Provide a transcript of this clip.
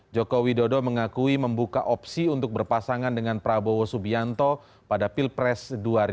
joko widodo mengakui membuka opsi untuk berpasangan dengan prabowo subianto pada pilpres dua ribu sembilan belas